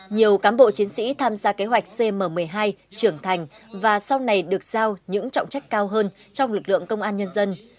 nhiều cán bộ chiến sĩ tham gia kế hoạch cm một mươi hai trưởng thành và sau này được giao những trọng trách cao hơn trong lực lượng công an nhân dân